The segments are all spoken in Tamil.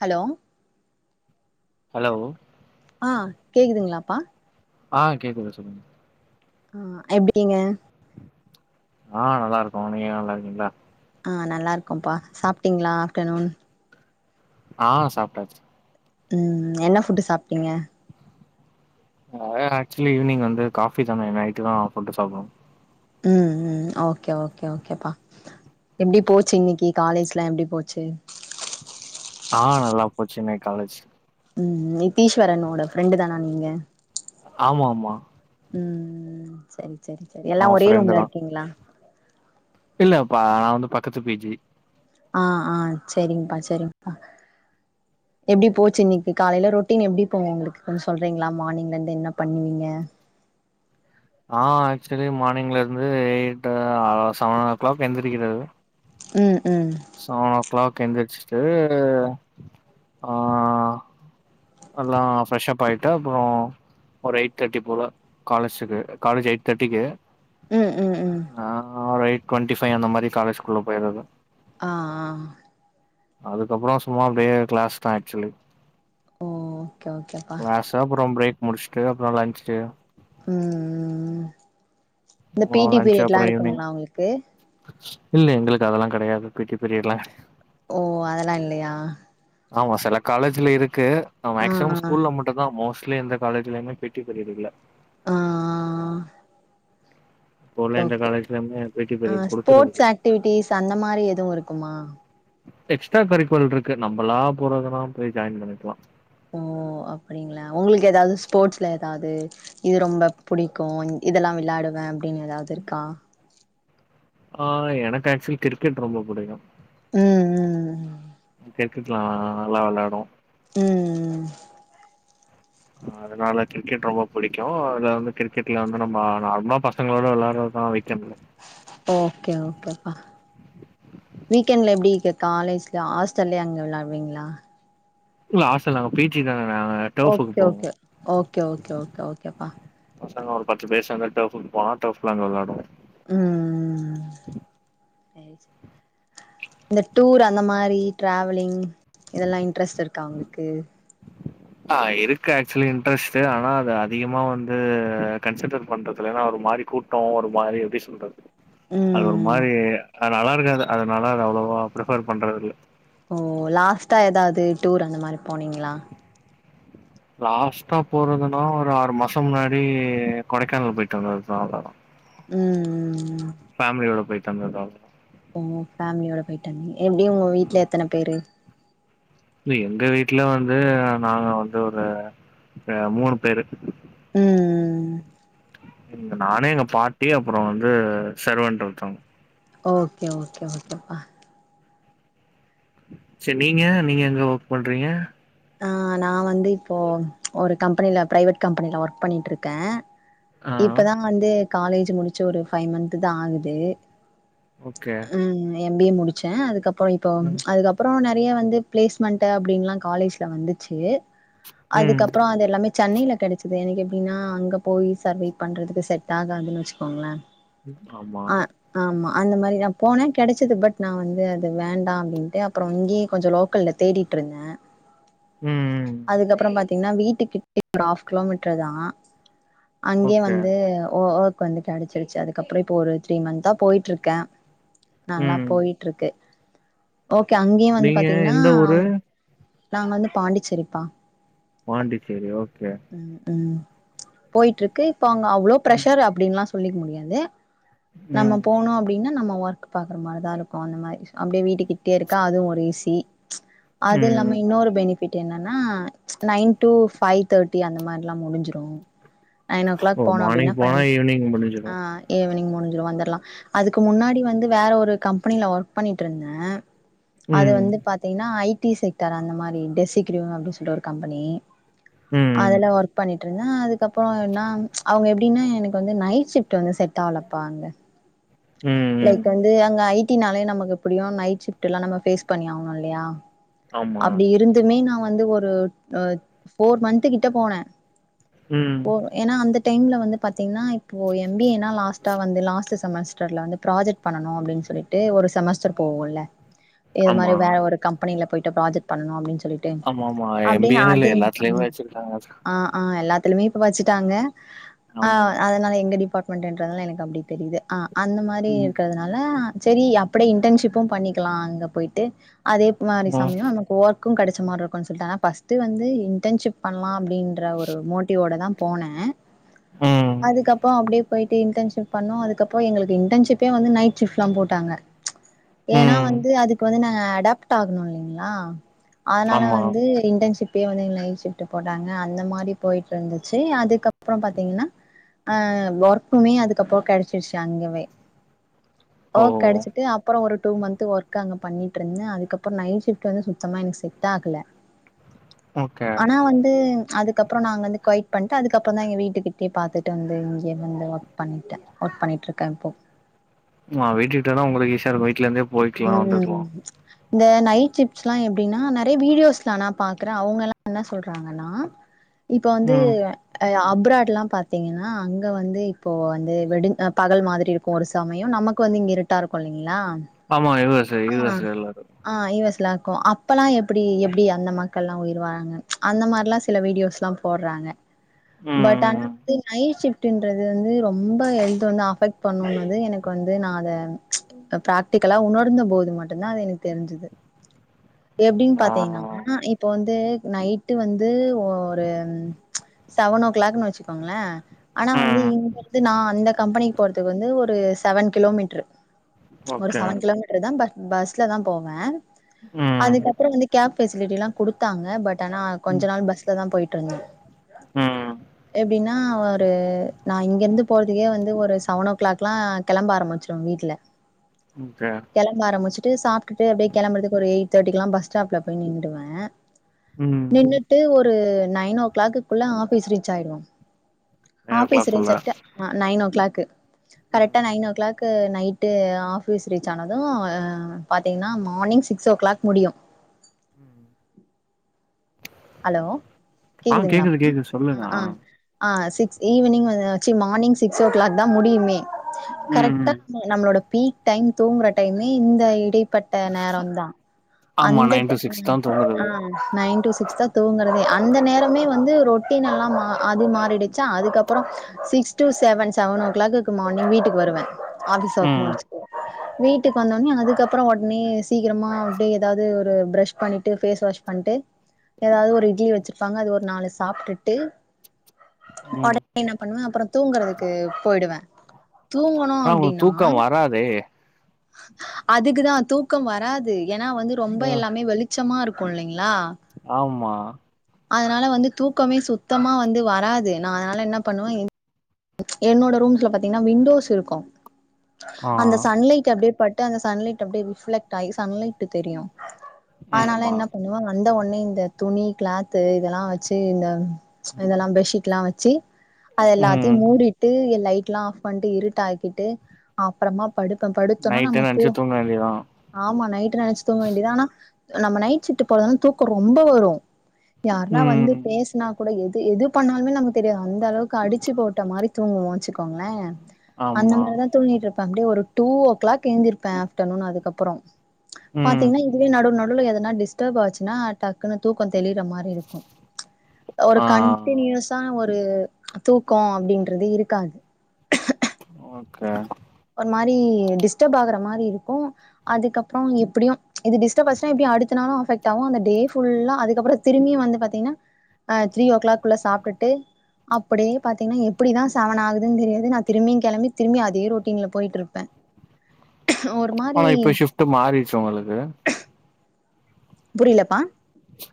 ஹலோ ஹலோ ஆ கேக்குதுங்ளா பா ஆ கேக்குது சொல்லுங்க ஆ எப்டி நீங்க ஆ நல்லா இருக்கோ நீங்க நல்லாருக்கிங்ளா ஆ நல்லா இருக்கோம்ப்பா சாப்டீங்ளா ஆப்டர்நூன் ஆ சாப்டாச்சு ம் என்ன ஃபுட் சாப்டீங்க [unintelligible] ஆக்சுவலி ஈவினிங் வந்து காஃபி தானே நைட்டு தா ஃபுட் சாப்டுவோ ம் ம் ஓகே ஓகே ஓகே பா எப்டி போச்சு இன்னிக்கி காலேஜ்லா எப்டி போச்சு ஆ நல்லா போச்சுங்க காலேஜ் ம் நிஸ்தீஷ்வரனோட ஃப்ரெண்ட் தானா நீங்க ஆமாமா ம் செரி செரி செரி எல்லா அவ ஒரே ஃப்ரெண்டு ரூம்ல தா இருக்கீங்ளா இல்லப்பா நா வந்து பக்கத்து பி ஜி ஆ ஆ செரிங்பா செரிங்பா எப்டி போச்சு இன்னிக்கு காலேல ரொட்டீன் எப்டி போவும் உங்ளுக்கு கொஞ்சோ சொல்றீங்ளா மார்னிங்ல இருந்து என்ன பண்ணி நீங்க ஆ ஆக்சுவலி மார்னிங்ல இருந்து எய்டு ஆவா செவனோ கிளாக் எந்திரிக்கறது ம் ம் செவனோ க்ளாக் எந்திரிச்சுட்டு ஆ எல்லா ஃப்ரெஷ்ப் ஆயிட்டா அப்றோ ஒரு எயிட் தேர்ட்டி போல காலேஜுக்கு காலேஜ் எயிட் தேர்ட்டிக்கு ம் ம் ம் ஆ ஒரு எய்ட் டுவெண்டிபை அந்த மாரி காலேஜ்குள்ள போயிரது ஆ ஆ அதுக்கப்றோ சும்மா அப்டியே கிளாஸ் தா ஆக்சுவலி ஓகே ஓகேப்பா கிளாசு அப்றோ பிரேக் முடிச்ட்டு அப்றோ லஞ்ச்சுடு ம்ம்ம் இந்த பீ அப்புறோ டி லன்ச்சு பீரியட்ல்லா அப்புறோ ஈவினிங் இருக்குங்ளா ஒங்களுக்கு இல்ல எங்களுக்கு அதெல்லா கெடயாது பீ டி பிரியட்ல்லா ஓ அதெல்லா இல்லையா ஆமா செல காலேஜ்ல இருக் க்கு ஆவுங்க ஆ மேக்சிமம் ஸ்கூல்ல மட்டுந்தா மோஸ்ட் இல்ல எந்த காலேஜ்லேயுமே பீ டி பீரீயட் இல்ல ஆ ஆ இப்போ உள்ள எந்த ஓகே காலேஜ்லயுமே பி டி ஆ பீரியட் ஸ்போர்ட்ஸ் குடுக்கறதில்ல ஆக்டிவிட்டிஸ் அந்த மாரி எதுவு இருக்குமா எக்ஸ்ட்ரா கரிக்குலர் இருக்கு நம்மளா போறதுனா போய் ஜாயின் பண்ணிக்கலா ஓ அப்டிங்ளா ஒங்களுக்கு ஏதாவது ஸ்போர்ட்ஸ்ல ஏதாவது இது ரொம்ப பிடிக்கு இதெல்லா வெளயாடுவே அப்டின்னு ஏதாவது இருக்கா ஆ எனக்கு ஆக்சுவலி கிரிக்கெட் ரொம்ப பிடிக்கு உம் உம் கிரிக்கெட்லா நல்லா விளயாடு உம் உம் அதனால கிரிக்கெட் ரொம்ப பிடிக்கு இதுல வந்து கிரிக்கெட்ல வந்து நம்ம நார்மலா பசங்களோட விளாடுறதுதா வீக் டைம்ல ஓகே ஓகேப்பா வீக்கெண்ட்ல எப்டி இருக்கு காலேஜ்ல ஹாஸ்டல்லய அங்க விளாடுவீங்ளா இல்ல ஹாஸ்டல் நாங்க பீ டி தா ஓகே ஒகே ஓகே ஒகே ஒகேப்பா பசங்க ஒரு பத்து பேர் சேந்து டோஃப்க்கு போனா டோஃப்ல வெளாடுவோ உம் இந்த டூர் அந்த மாரி டிராவ்லிங் இதெல்லா இன்ட்ரெஸ்ட் இருக்கா ஒங்களுக்கு ஆ இருக்கு ஆக்சுவலி இன்ட்ரெஸ்ட்டு ஆனா அது அதிகமா வந்து கன்சிடர் பண்றதுல ஏன்னா ஒரு மாரி கூட்டோ ஒரு மாரி எப்டி சொல்றது அது ஒரு ம் மாரி அது நல்லா இருக்காது அதனால அத அவ்வளவா பிரிபேர் பண்றது இல்ல ஓ லாஸ்ட்டா ஏதாவது டூர் அந்த மாரி போனீங்ளா லாஸ்டா போறதுன்னா ஒரு ஆறு மாசம் முன்னாடி கொடைக்கானல் போயிட்டு வந்ததுதா அதா உம் உம் ஃபேமிலியோட போய் தந்ததா ஓ ஃபேமிலியோட போயிட்டு வந்தேங்க எப்டி உங்க வீட்டல எத்தன பேரு எங்க வீட்ல வந்து நாங்க வந்து ஒரு மூனு பேரு ம் ங்க நானே எங்க பாட்டி அப்புறோ வந்து செர்வண்ட் ஒருத்தவங்க ஓகே ஓகே ஓகேப்பா சேரி நீங்க நீங்க எங்க ஒர்க் பண்றீங்க ஆ நா வந்து இப்போ ஒரு கம்பெனில ப்ரைவேட் கம்பெனில ஒர்க் பண்ணிட்டுருக்கே ஆ இப்பதா வந்து காலேஜ் முடிச்ச ஒரு ஃபைவ் மன்ந்த்து தா ஆகுது ஓகே எம் பி ஏ முடிச்சே அதுக்கப் அப்போஇப்போ ம். அதுக்கப்புறோ ந லலே வந்து பிளேஸ்மெண்ட் அப்படின்லா காலேஜ் தா வந்துச்சு ம். அதுக்கப்புறோ அது எல்லாமே சன்னையில கடச்சிது எனக்கு எப்டின்னா அங்க போய் சர்வையி பண்ணுறதுக்கு செட் ஆகாதுன்னு வச்சுக்கோங்களே ஆமா அந்த மாதிரி நா போனேன் கெடைச்சது பட் நா வந்து அது வேண்டா அப்டின்ட்டு அப்புறோ இங்கேயே கொஞ்சோ லோக்கல்ல தேடிட்டு இருந்தே ம், ம். அதுக்கப்புறோ பாத்தீங் ன்னா வீட்டுக்கிட்டே ஹாஃப் கிலோமீட்டர் தா அங்கே ஓகே. வந்து ஒ ஓ வந்து கிடைச்சிருச்சு அதுக்கப்புறோ இப்போ ஒரு த்ரீ மந்த்தா போயிட்டு இருக்கே நல்லா ம். போயிட்டு இருக்கு ஓகே அங்கயு வந்து நீங்க பாத்தீங்கன்னா எந்த ஊரு? நாங் வந்து பாண்டிச்சேரிப்பா பாண்டிச்சேரி ஓகே போயிட்டு இருக்கு இப்பங்க அவ்ளோ ம், பிரஷர் அப்டின்ல்லா சொ சொல்லிக்க முடியாது நம்ம ம், போனு அப்டின்னா நம்ம ஒர்க் பாக்குற மாதிரிதா இருக்கு அந்த மாரி அப்படியே வீட்டுக்கிட்டே இருக்கா அதுவு ஒரு ஈசி அது இல்லாம ம். இன்னொரு பெனி ப்ப என்னன்னா நைன் டு ஃப்வைவ் தேர்ட்டி அந்த மாதிரிலா முடிஞ்சுரு நைன் ஓ கிளாக் போனு அப்டின்னா மார்னிங் ப போனா ஈவினிங் ஆ முடிஞ்சிரும். ஈவினிங் முடிஞ் ஞ்சுரு வந்தர்லா அதுக்கு முன்னாடி வந்து வேற ஒரு கம்பெனில ஒர்க் பண்ணிட்டு இருந்தே அது ம், வந்து பாத்தீங்கன்னா ஐ டி செக்டர் அந்த மாதிரி இன்டெஸ் ஈக்கியூ அப்டின்னு சொல்லிட்டு ஒரு கம்பெனி ம், அதுல்ல ஒர்க் பண்ணி ட்ரனா அது அப்புறோ என்னா அவங்க எப் அப்டின்னா எனக்கு வந்து நைட் ஷிப்ட் வந்து செட் ஆகலப்பா அங்க ம், லைக் ம். வந்து அங்க ஐ ட்டினாலே நமக்கு எப்படியு நைட்ஷிப்ல்லா நம்ம ஃபேஸ் பண்ணி ஆவணுல்லியா இல்லையா ஆமா அப்டி இருந்துமே நா வந்து ஒரு ஒர் ஃபோர் மந்த் கிட்ட போனே ம். போ ஏன்னா அந்தட் டைம்ல வந்து பாத்தீங்கன்ன இப்போ எம் பி ஏ னா லாஸ்டா வந்து லாஸ்ட்ல செமஸ்டர்ல வந்து ப்ராஜெக்ட் பண்ணனு அப்டின்னு சொல்லிட்டு ஒரு செமஸ்டர் போவோல்ல இது ஆமா. மாதிரி வேற ஒரு கம்பெனியில போயி ப்ராஜெக்ட் பண்ணு அப்டின்னு சொ ஆமா ஆமா எம் பி ஏ ன்னு இல்ல எல்லாத்துலயுமே வச்சிருக்காங்க அது திரும்பி இப்ப வச்சுட்டாங்க ஆ அதனால எங்க டிபாட் ண்ட்ன்றதுல்லா எனக்கு அப்டி தெரியுது ஆ அந்த மாதிரி ம். இருக்கிறதுனால சரி அப் அப்படி இன்டர்ன்ஷிப்பு பண்ணிக்கலா அங்க போயிட்டு அதே மாதிரி ம், சமயமோ நமக்கு ஓத் கு கடைச்ச மாரி இருக்கு சொல்ட்டு ஆனா ஃபஸ்ட்டு வந்து இன்டர்ன்ஷிப் பண்லா அப்டின்ற ஒரு மோட்டிவோட தா போனே ம், அதுக்கப்புறோ அப்டியே போயிட்டு இன்டர்ன்ஷிப் பண்ணோ அதுக்கப்றோ எங்களுக் இடர்ன்ஷிப்பே வந்து நைட் ஷிஃப் ளா போட்டாங்க ஏன்னா ம். வந்து அதுக்கு வந்து நாங்க அடாப்ட் ஆகணு இல்லைங்களா அதனால ஆமா. வந்து இன்டன்ஷிப் இப்பே வந்துஎங்கள நைட் சஷிபிட் போட்டாங்க அந்த மாரி போயிட்டு இருந்துச்சு அதுக்கப்புறோ பாத்தீங்கன்னா அ ஒர்க்கமே அதுக்கப்புறோ கெடைச்சிருச்சு அங்கவே ஓ கெடச்சிட்டு அப்புறோ ஒரு டூ மந்த் ஒர்க் அங்க பண்ணிட்டு இருந்த அதுக்கப்புறோ நைட் ஷிஃப் வந்து சுத்தமா எனக்கு செ ட்டாகல ஓகே. ஆனா வந்து அதுக்கப்புறோ நாங்க வந்து குய பண்ணட்டு அதுக்கப்புறோதா இங்க வீட்டுக்கிட்டயே பாத்துட்டு வந்து இங்கே வந்து ஒர்க் பண்ணிட்டே ஒர்க் பண்ணிட்டு இருக்கே இப்போ ஆ வீட்டுக்கிட்டனா உங்களுக்கு ஈஷ்யாருக்கு ட்ல இருந்தே போயிக்கலா வந்துக்கலா ம் இந்த நைட் சிப்ட்ஸ்ல்லா எப்பிடின்னா நெறைய வீடியோஸ் எல்லா நா பாக்குறே அவுங்க எல்லா என்ன சொல்றாங்கன்னா இப்ப வந்து ம் அ அப் அபுராடளா பாத்தீங்கன்னா அங்க வந்து இப்போ வந்து வெடு பகல் மாதிரி இருக்கு ஒரு சமயோ நமக்கு வந்து இங்க இருட்டா இருக்கு இல்லிங் ளா ஆ யுஸ்எ யுஸ்எ எல்லா இருக் க்குலாக்கு அப் இப்பெல்லா எப்பிடி எப்பிடி அந்த மா க்கள்ல்லா உயிர் வாராங்க அந்த மாரிலா சில வீடியோஸ்ல்லா போடறாங்க பட் ம் ம் ஆனா ம். நைட் சிப் ட்டுன்றது வந்து ரொம்ப ஹெல்த் வந்து அஃபெக்ட் பண்ணு போது எனக்கு வந்து நா அத பிராடிக் க்க உணர்ந்த போது மட்டுதா அது எனக்கு தெரிஞ்சிது எப்பிடின் ஆ பாத்தீங்கன்னா இப்போ வந்து நைட்டு வந்து ஒரு செவன் ஓ கிளாக்ன்னு வச்சுக்கோங்களே ஆனா வந்து ம் இங்கந்து நா அந்த கம்பெனிக்கு போறதுக்கு வந்து ஒரு செவன் கிலோமீட்டரு ஒரு ஓகே செவன் கிலோமீட்டர்தா ப பஸ்லதா போவே ம் அதுக்கப்புறோ வந்து கேப் பெசிலிட்டிலா குடுத்தாங்க பட் ட்டனா கொஞ்ச ம் நாள் பஸ்லதா போயட்டு இருந்தே ம் எப்பிடின்னா ஒரு நா இங்கிருந்து போறதுக்கே வந்து ஒரு செவன் ஓ கிளாக்லா கெளம்ப ஆரம்பிச்சிரு வீட்ல ஓகே கெளம்ப ஆரம்புஷ்ச்சிட்டு சாப்பிட்டு அப்டியே கெளம்புறதுக்கு ஒரு எயிட் தேட்டிக்கெல்லா பஸ் ஸ்டாப்ல போய் நின்றுருவே ம் நின்னுட்டு ஒ ஒரு நைநோ ஓ க்ளாக்குகுள்ள ஆஃபீஸ் ரீச் ஆயடுவ நைன் ஓ ஆஃபீஸ் கிளாக் குள்ள ரீச்சாய்ட்டு அ நைன் ஓ க்ளாக்கு ம் கரெட்டா நைன் ஓ க்ளாக் ந்து நைட்டு ஆஃப் ஃபீச் ஆனதும் பாத்தீங்கன்னா மார்னிங் சிக்ஸ் ஓ க்ளாக் முடியும் ம். ஹலோ ஆ கேக்குதுங்களாப் கேக்குது கேக்குது சொல்லுங்க ஆ ஹஹ் ஆ சிக்ஸ் ஈவினிங் வந்தச்சு மானிங் சிக்ஸ் ஓ க்ளாக் தா முடியுமே கரெட்டா ம் நம்மளோட பீக் டைம் தூங்குற டைமே இந்த இடை பட்ட நேர தா ஆமா அந்த நைன் டு டைம் சிக்ஸ் தா தூங்குறது நைன் டூ சி த்த தூங்கறதே அந்த நேரமே வந்து ரொட்டின் எல்லா மா அது மாறிடுச்சா அதுக்கப்புற சிக்ஸ் டு செவன் செவன் ஓ க்ளாக்குக்கு மார்னிங் வீட்டுக்கு வருவே ஆஃபீஸ் ஒர்க் ம் முடிச் வீட்டுக்கு வந்தோடனே அதுக்கப்புற ஓடனே சீக்கிரமா அப்டியே ஏதாவது ஒரு ப்ரஷ் பண்ணிட்டு பேஸ் வாஷ் பண்ட்டு ஏதாவது ஒரு இட்லி வச்சிருப்பாங்க அது ஒரு நாலு சாப்ட்டுட்டு ம் ஓடனே ன்ன பண்ணுவே அப்புற தூங்கறதுக்கு போயிடுவே தூங்கணு ஆனா உங்களுக்கு அப்டின்னா தூக்க வராதே அதுக்குதா தூக்கம் வராது ஏன்னா வந்து ரொம்ப எல்லாமே வெளிச்சமா இருக்கு கொள்ளங்க ஆம்மா அதனால வந்து தூக்கமே சுத்தமா வந்து வராது நா அதனால என்ன பண்ணுவே என்னோட ரூம்ஸ்ல பாத்தீங்கன்னா விண்டோஸ் இருக்கு ஆ அந்த சன்லைட் அப்டியே பட் அங்க சன்லைட் அப்படியே ரிஃபெக்ட் ஆயி சன்லைட் தெரியு அதனால ஆமா என்ன பண்ணுவ அந்த ஒன்னே இந்த துணி கிளாத்து இதெல்லா வச்சு இந்த இதெல்லா பெட்ஷீட்ல்லா வச்சி அதெல்லா த்த ம் மூடிட்டு எல் லைட் லா ஆஃப் பண்ணிட்டு இருட்டு ஆகிட்டு அப்புறமா படுப்போ படுத்தோம்னா நம்ம நைட்டுன்னு நெனச்சு தூங் தூங்க வேண்டியதா ஆமா நைட்டு நெனச்சு தூங்க வேண்டியதா ஆனா நம்ம நைச்சிட்டு போறதுனா தூக்கோ ரொம்ப வரு யாருன்னா வந்து ம் பேசுனா கூட எது எது பண்ணாலுமே நமக்கு தெரியாது அந்த அளவுக்கு அடிச்சு போட்டு ட்ட மாதிரி தூங்குவோ வெச்சிக்குங்களே அந்த ஆமா மாதிரிதா தூங்கிட்டு இருப்பே அப்டியே ஒரு டூ ஒ க்ளாக் கேந்திருப்ப ஆஃப்டர்நூன் அதுக்கப் அப்புறோ ம் பாத்தீங்கன்னா இதுலயே நடடு நடுல எதா நா டிஸ்டர்ப் ஆச்சுன்னா டக்குனு தூக்க தெளிற மாரி இருக்கு ஒரு ஆ கன்டினியூஸான ஒரு ஒரு தூக்கோ அப்டின்றது இருக்காது ஓகே ஒரு மாதிரி டிஸ்டர்ப் ஆகுற மாதிரி இருக்கு அதுக்கப்புறோ எப்டியு இது டிஸ்டர்ப் ஆச்சினா எப்டியு அடுத்தனாலு அஃபெக்ட் ஆகு அந்த டேஃபுல்லா அதுக்கப்புறோ திரும்பியு வந்து பாத்தீங்கன்னா அ த்ரீ ஓ கிளாக் குள்ள சாப்பிட்டுட்டு அப்டியே பாத்தீங்கன்னா எப்படிதா செவன் ஆகுதுன்னு தெரியாது நா திரும்பியு கிளம்பி திரும்பி அதே ரொ ட்டின்ல போயிட்டு இருப்பே ஆனா இப்ப ஷிஃப்ட் மாறிச்சு உங்களுக்கு புரியலப்பா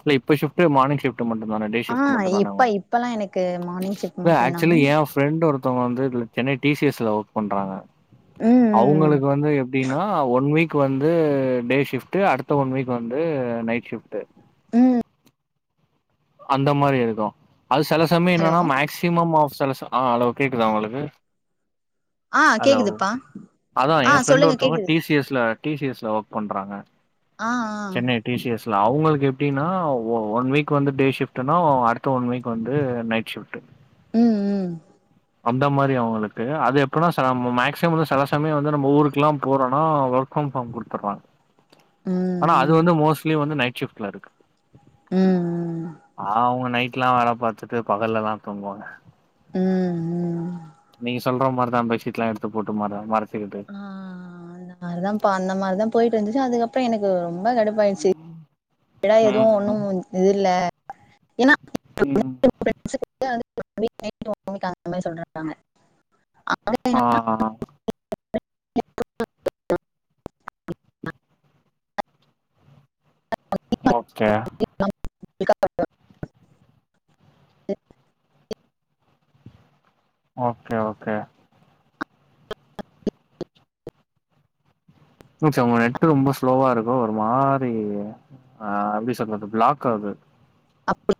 இல்ல இப்ப ஷிப்ட் மார்னி் ஷிப்ட் ட்டு மட்டு தானே டே ஆ ஷிப்டு மட்டு தானே இப்ப இப்பல்லா எனக்கு மார்னிங் ஷிஃப்ட் அவங்க மட்டுந்தா ஆக்சுவலி என் ஃப்ரண்ட் ஒருத்தவங்க வந்து சென்னை டி சி எஸ்ல ஓர்க் பண்றாங்க ம் ம் அவுங்களுக்கு வந்து எப்டின்னா ஒன் வீக் வந்து டே ஷிஃப்டு அடுத்த ஒன் வீக் வந்து நைட் ஷிஃப்டு ம் அந்த மாரி இருக்கு அது சில சமயோ ஹலோ என்னன்னா மேக்சிமம் ஆஃப் அ ஹலோ கேக்குதா உங்களுக்கு ஆ ஹலோ கேக்குதுப்பா அதா ஆ என் ப்ரெண்ட் சொல்லுங்க ஒருத்தவங்க கேக்குது டி. சி. எஸ்ல டி சி எஸ்ல ஒர்க் பண்றாங்க ஆ ஆ சென்னை டி சி எஸ்ல அவுங்களுக்கு எப் எப்டின்னா ஒ ஒன் வீக் வந்து டே ஷி ஷிஃப்ட்டுன்னா அடுத்த ஒன் வீக் வந்து நைட் ஷிஃப்ட்டு ம் ம் அந்த மாரி அவுங்களுக்கு அது எப்டினா ச மேக்சிமம் வந்து சில சமயோ வந்து நம்ம ஊருக்குயெல்லாம் போறோனா ஒர்க் ஃப்ரம் ஹோம் குடுத்துர்றாங்க ம் ஆனா அது ம் வந்து மோஸ்லி வந்து நைட் ஷிஃப்ட்ல இருக்கு ம் ம் ம் பாவோ அவுங்க நைட் எல்லா வேல பாத்துட்டு பகல்லதா தூங்குவாங்க ம் ம் நீங்கஸ் சொல்ற மாரிதா பெட்ஷீட் எல்லா எடுத்து போட்டு மர்றா மர் ஆ அதுதா அதுதாம்பா அந்த மாரிதாம் போயிட் இருந்துச்சு அதுக்கப்புறோ எனக்கு ரொம் ரொம்ப கடுப்பாயிருச்சு ஏனா எதுவு ஒண்ணு ம் இது இல்ல ஏனா [inaudible] [inaudible] ம் அந்த மாரி சொல்றாங்க ஆ ஆ [inaudible] ஓகே [inaudible] ஓகே ஓகே என்ன ஆச்சு உங்களுக்கு நெட்டு ரொம்ப ஸ்லோவா இருக்கோ ஒரு மாரி ஆ எப்டி சொல்றது பிளாக் ஆவுது அப்டி [inaudible]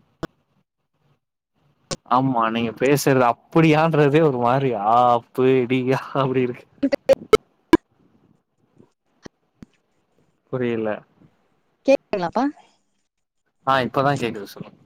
ஆம்மா நீங்க பேசுறது அப்டியான்றதே ஒரு மாரி ஆப்புடியா அப்டி இருக்கு புரில கேக்குதுங்கலாப்பா ஆ இப்பதா கேக்குது சொல்லுங்க